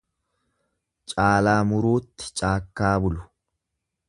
Caalaa muruutti caakkaa bulu.